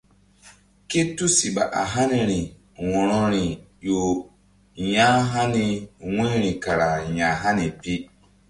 Ké tusiɓa a haniri wo̧roi ƴo ya̧hani wu̧yri kara ya̧hani pi.